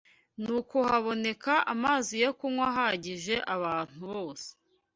Nuko haboneka amazi yo kunywa ahagije abantu bose